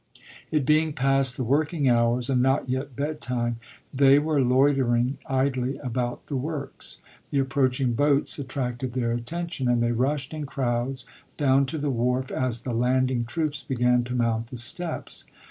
It being past the working hours and not yet bedtime, they were loitering idly about the works ; the approach ing boats attracted their attention, and they rushed in crowds down to the wharf as the landing troops began to mount the steps.